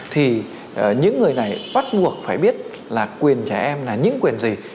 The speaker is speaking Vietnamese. thì những người này bắt buộc phải biết là quyền trẻ em là những quyền gì